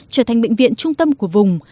trở thành bệnh viện trung tâm của vùng